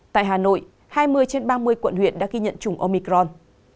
tại hà nội hai mươi trên ba mươi quận huyện đã ghi nhận chủng omicron